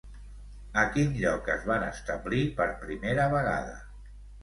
A quin lloc es van establir per primera vegada?